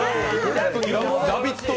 「ラヴィット！」